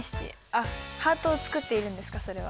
あっハートを作っているんですかそれは。